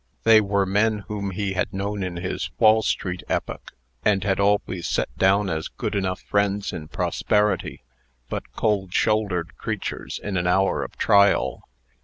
They were men whom he had known in his Wall street epoch, and had always set down as good enough friends in prosperity, but cold shouldered creatures in an hour of trial.